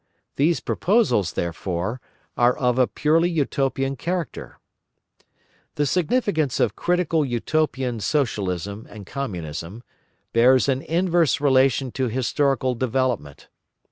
These proposals, therefore, are of a purely Utopian character. The significance of Critical Utopian Socialism and Communism bears an inverse relation to historical development.